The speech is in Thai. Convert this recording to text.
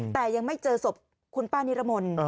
แต่ยังไม่เจอศพคุณป้านิรมนต์